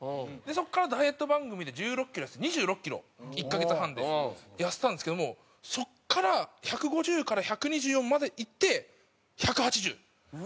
そこからダイエット番組で１６キロ痩せて２６キロ１カ月半で痩せたんですけどもそこから１５０から１２４までいって１８０。